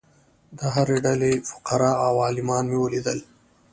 د هرې ډلې فقراء او عالمان مې ولیدل.